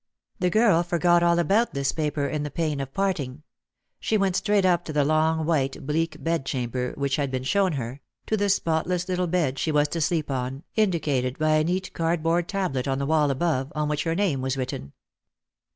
The girl forgot all about this paper in the pain of parting. She went straight up to the long white bleak bed chamber which had been shown her — to the spotless little bed she was to sleep on, indicated by a neat cardboard tablet on the wall above, on which her name was written.